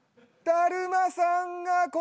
だるまさん。